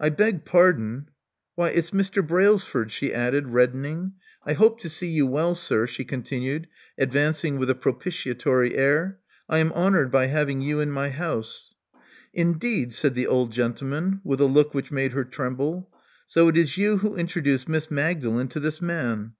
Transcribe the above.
I beg pardon Why, it's Mr. Brailsford," she added, reddening. I hope I see you well, sir," she continued, advancing with a propitiatory air. I am honored by having you in my house." Indeed!" said the old gentleman, with a look which made her tremble. So it is you who introduced Miss Magdalen to this man.